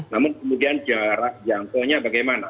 namun kemudian jarak jangkaunya bagaimana